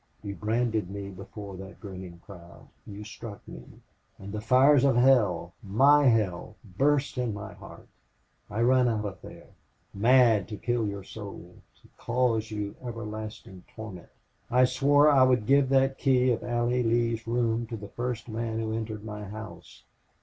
You branded me before that grinning crowd, you struck me! And the fires of hell MY hell burst in my heart. I ran out of there mad to kill your soul to cause you everlasting torment. I swore I would give that key of Allie Lee's room to the first man who entered my house.